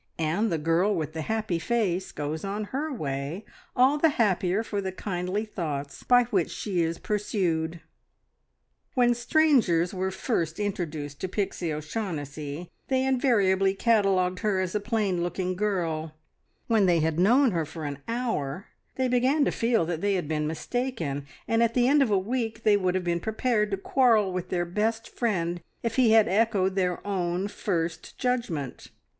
And the girl with the happy face goes on her way, all the happier for the kindly, thoughts by which she is pursued. When strangers were first introduced to Pixie O'Shaughnessy they invariably catalogued her as a plain looking girl; when they had known her for an hour they began to feel that they had been mistaken, and at the end of a week they would have been prepared to quarrel with their best friend if he had echoed their own first judgment.